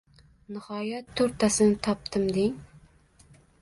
Nihoyat to‘rttasini topdim deng.